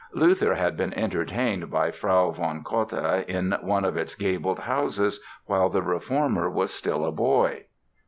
Luther had been entertained by Frau von Cotta in one of its gabled houses while the Reformer was still a boy.